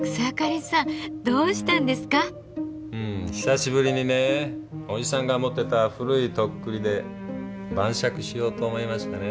うん久しぶりにね叔父さんが持ってた古い徳利で晩酌しようと思いましてね。